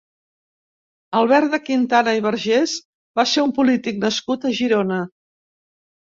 Albert de Quintana i Vergés va ser un polític nascut a Girona.